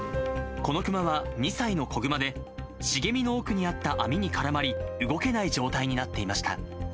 このクマは２歳の子グマで、茂みの奥にあった網に絡まり、動けない状態になっていました。